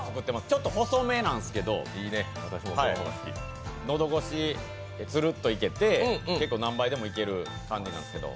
ちょっと細めなんですけど喉越し、つるっといけて結構何杯もいける感じなんですけど。